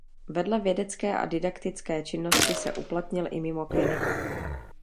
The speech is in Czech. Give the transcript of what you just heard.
Vedle vědecké a didaktické činnosti se uplatnil i mimo kliniku.